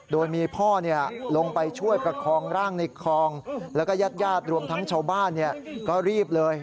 โดยมีพ่อลงไปช่วยประคองร่างในคลองแล้วก็ญาติญาติรวมทั้งชาวบ้านก็รีบเลย